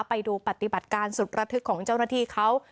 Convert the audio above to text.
ไปดูปฏิบัติการสุดระทึกของเจ้าหน้าที่เขา